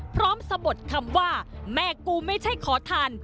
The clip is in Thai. สะบดคำว่าแม่กูไม่ใช่ขอทาน